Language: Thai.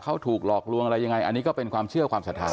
เขาถูกหลอกลวงอะไรยังไงอันนี้ก็เป็นความเชื่อความศรัทธา